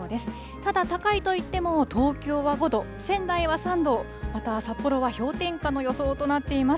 ただ高いと言っても、東京は５度、仙台は３度、また札幌は氷点下の予想となっています。